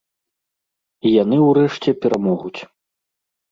І яны ўрэшце перамогуць.